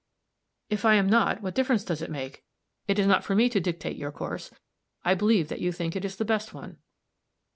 "If I am not, what difference does it make? It is not for me to dictate your course. I believe that you think it is the best one."